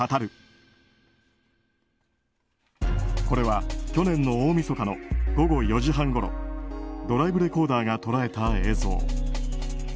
これは去年の大みそかの午後４時半ごろドライブレコーダーが捉えた映像。